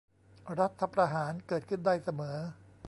รัฐประหารเกิดขึ้นได้เสมอ